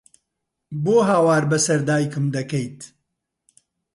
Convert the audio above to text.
بۆ هاوار بەسەر دایکم دەکەیت؟!